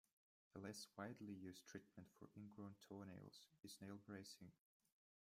A less widely used treatment for ingrown toenails is nail bracing.